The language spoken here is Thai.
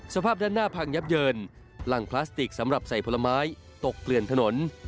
สภาพด้านหน้าพังยับเยินหลังพลาสติกสำหรับใส่ผลไม้ตกเกลื่อนถนน